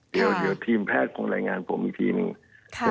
เดี๋ยวทีมแพทย์คงรายงานผมอีกทีหนึ่ง